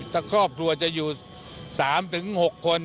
ถ้าครอบครัวจะอยู่๓๖คน